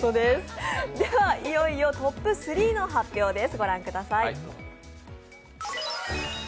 いよいよトップ３の発表です。